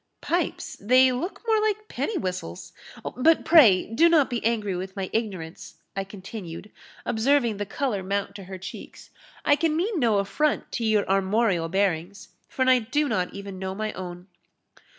"Pipes! they look more like penny whistles But, pray, do not be angry with my ignorance," I continued, observing the colour mount to her cheeks, "I can mean no affront to your armorial bearings, for I do not even know my own."